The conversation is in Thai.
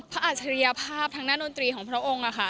อาจริยภาพทางด้านดนตรีของพระองค์ค่ะ